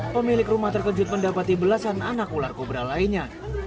pemilik rumah terkejut mendapati belasan anak ular kobra lainnya